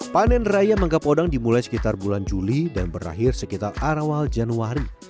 panen raya mangga podang dimulai sekitar bulan juli dan berakhir sekitar awal januari